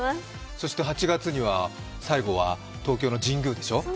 そして８月には、最後は東京の神宮でしょう？